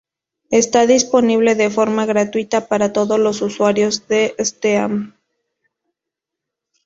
Está disponible de forma gratuita para todos los usuarios de Steam.